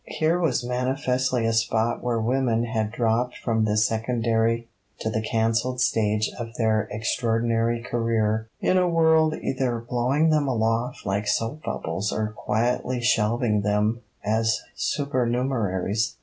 Here was manifestly a spot where women had dropped from the secondary to the cancelled stage of their extraordinary career in a world either blowing them aloft like soap bubbles or quietly shelving them as supernumeraries.